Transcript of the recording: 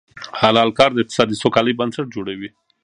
حلال کار د اقتصادي سوکالۍ بنسټ جوړوي.